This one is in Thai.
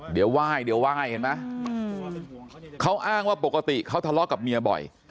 เดี๋ยวไหว้เดี๋ยวไหว้เห็นไหมเขาอ้างว่าปกติเขาทะเลาะกับเมียบ่อย